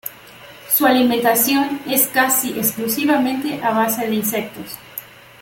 Su alimentación es casi exclusivamente a base de insectos.